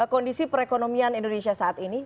kondisi perekonomian indonesia saat ini